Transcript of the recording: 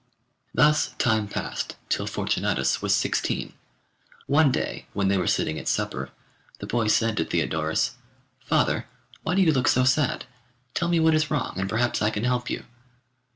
Thus time passed till Fortunatus was sixteen. One day when they were sitting at supper, the boy said to Theodorus, 'Father, why do you look so sad. Tell me what is wrong, and perhaps I can help you.